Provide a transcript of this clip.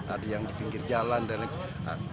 ada yang di pinggir jalan dan lain sebagainya